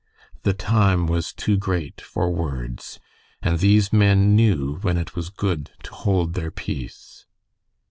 The time was too great for words, and these men knew when it was good to hold their peace.